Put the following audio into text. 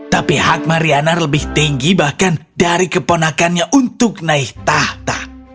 tapi hak marianar lebih tinggi bahkan dari keponakannya untuk naik tahta